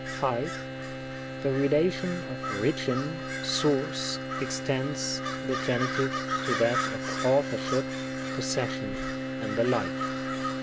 5. The relation of origin, source, extends the Gen itive to that of authorship, possession, and the like.